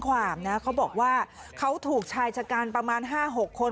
ความนะเขาบอกว่าเขาถูกชายชะกันประมาณ๕๖คน